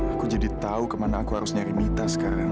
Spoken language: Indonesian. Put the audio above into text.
aku jadi tahu kemana aku harus nyari mita sekarang